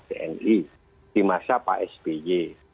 tni di masa pak sby